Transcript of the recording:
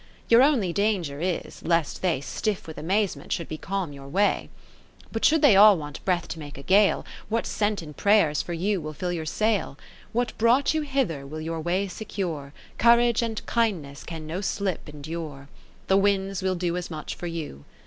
Your only danger is, lest they Stiff with amazement should becalm your way. 30 IV But should they all want breath to make a gale. What's sent in prayers for you will fill your sail ; What brought you hither will your way secure, Courage and Kindness can no slip endure ; The winds will do as much for you.